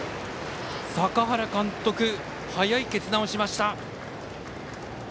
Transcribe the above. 坂原監督、早い決断をしました。